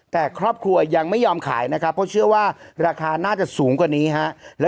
แต่ครอบครัวยังไม่ยอมขายนะครับเพราะเชื่อว่าราคาน่าจะสูงกว่านี้ฮะ